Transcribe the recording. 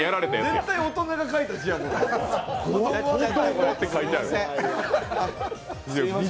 絶対大人が書いた字やのに。